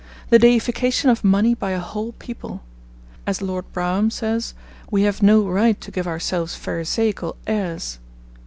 The deification of money by a whole people. As Lord Brougham says, we have no right to give ourselves pharisaical airs.